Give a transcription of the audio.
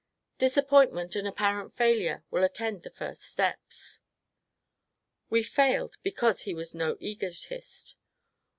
Disappointment and apparent failure will attend the first steps." We failed because he was no egotist.